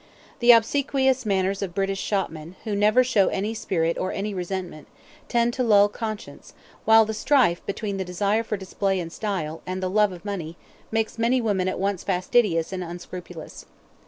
The obsequious manners of British shopmen, who never show any spirit or any resentment, tend to lull conscience, while the strife between the desire for display and style, and the love of money, makes many women at once fastidious and unscrupulous.